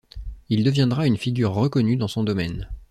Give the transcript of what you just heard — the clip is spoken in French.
Il deviendra une figure reconnue dans son domaine.